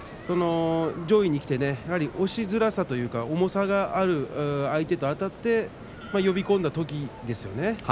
上位にきてやはり押しづらさというか重さのある相手とあたって呼び込んだときですよね。